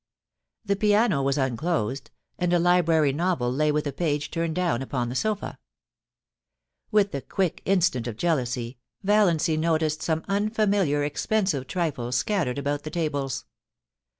The piano was unclosed, and a library novel lay with a page turned down upon the sofa. With the quick instinct of jealousy. Valiancy noticed some unfamiliar expensive trifles scattered about the tables.